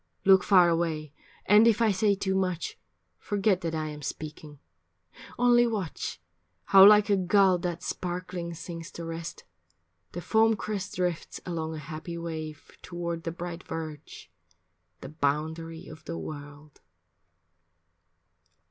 Look far away, and if I say too much, Forget that I am speaking. Only watch, How like a gull that sparkling sinks to rest, The foam crest drifts along a happy wave Toward the bright verge, the boundary of the world.